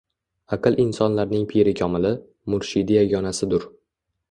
Aql insonlarning piri komili, murshidi yagonasidur